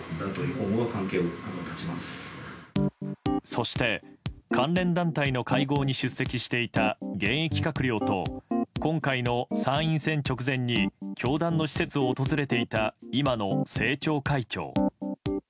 そして、関連団体の会合に出席していた現役閣僚と今回の参院選直前に教団の施設を訪れていた今の政調会長。